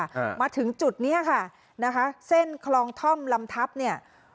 อ่ามาถึงจุดเนี้ยค่ะนะคะเส้นคลองท่อมลำทับเนี้ย